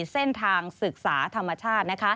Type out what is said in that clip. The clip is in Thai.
เส้นทางศึกษาธรรมชาติ